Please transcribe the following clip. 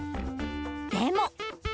でも。